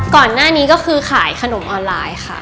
ก่อนหน้านี้ก็คือขายขนมออนไลน์ค่ะ